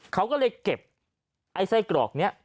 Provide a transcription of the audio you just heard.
เขาก็เลยเก็บไอ้ไส้กรอกนี้